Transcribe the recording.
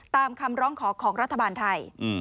ตามคำร้องขอของรัฐบาลไทย